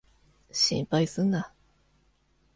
心配すんな。